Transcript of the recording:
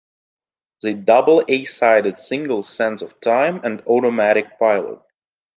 The double A-sided single "Sands Of Time" and "Automatic Pilot".